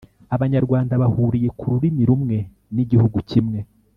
abanyarwanda bahuriye ku rurimi rumwe n’igihugu kimwe.